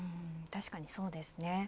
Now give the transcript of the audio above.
確かにそうですね。